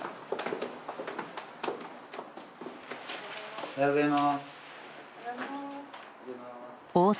おはようございます。